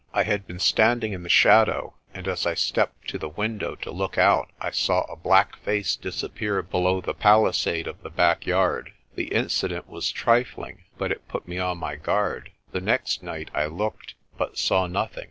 I had been standing in the shadow, and as I stepped to the window to look out I saw a black face disap pear below the palisade of the backyard. The incident was trifling, but it put me on my guard. The next night I looked, but saw nothing.